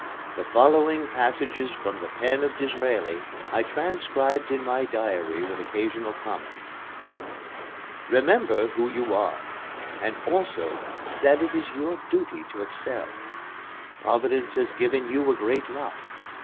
The following passages from the pen of Disraeli I transcribed in my diary with occasional comment. "Remember who you are, and also that it is your duty to excel. Providence has given you a great lot.